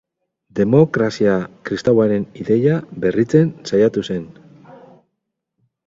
Demokrazia kristauaren ideia berritzen saiatu zen.